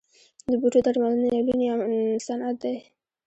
د بوټو درملنه یو لوی صنعت دی